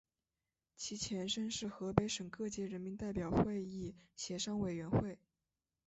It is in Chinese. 其前身是河北省各界人民代表会议协商委员会。